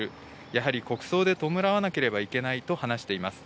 やはり国葬で弔わなければいけないと話しています。